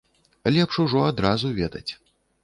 Лепш ужо адразу ведаць.